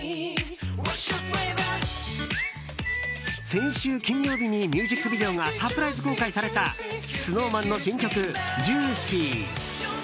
先週金曜日にミュージックビデオがサプライズ公開されたＳｎｏｗＭａｎの新曲「ＪＵＩＣＹ」。